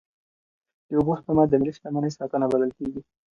د اوبو سپما د ملي شتمنۍ ساتنه بلل کېږي.